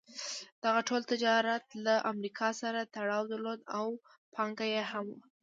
دغه ټول تجارت له امریکا سره تړاو درلود او پانګه یې هم وه.